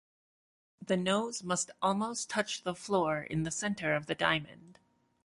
The nose must almost touch the floor in the center of the diamond.